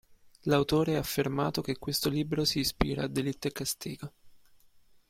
L'autore ha affermato che questo libro si ispira a Delitto e castigo.